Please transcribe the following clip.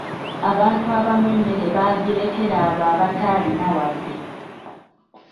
Abantu abamu emmere baagirekera abo abataalina wadde.